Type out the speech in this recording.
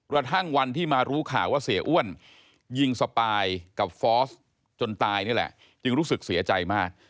กระทั่งวันที่มารู้ข่าวว่าเสียอ้วนยิงสปายกับฟอสจนตายนี่แหละจึงรู้สึกเสียใจมาก